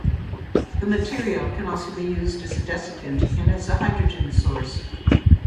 The material can also be used as a desiccant and as a hydrogen source.